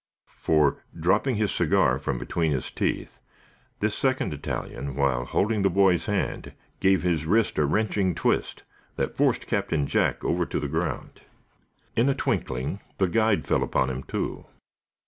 For, dropping his cigar from between his teeth, this second Italian, while still holding the boy's hand, gave his wrist a wrenching twist that forced Captain Jack over to the ground. In a twinkling the guide fell upon him, too.